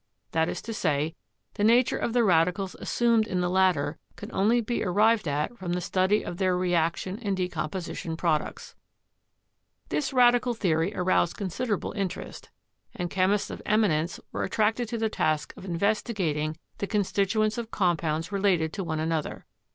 That is to say, the nature of the radicals assumed in the latter could only be arrived at from the study of their reaction and decom position products. This radical theory aroused considerable interest, and chemists of eminence were attracted to the task of inves tigating the constituents of compounds related to one another.